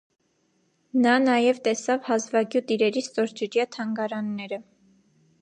Նա նաև տեսավ հազվագլուտ իրերի ստորջրյա թանգարանները։